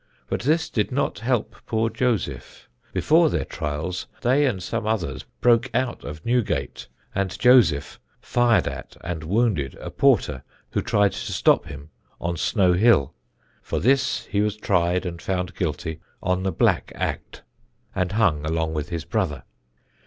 But this did not help poor Joseph. Before their trials, they and some others broke out of Newgate, and Joseph fired at, and wounded, a porter who tried to stop him, on Snow Hill. For this he was tried and found guilty on the Black Act, and hung along with his brother.